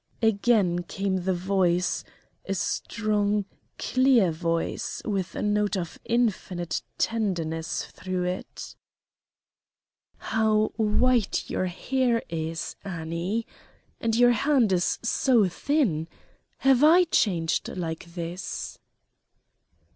Again came the voice a strong, clear voice, with a note of infinite tenderness through it: "How white your hair is, Annie; and your hand is so thin! Have I changed like this?"